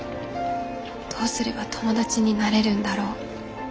どうすれば友達になれるんだろう。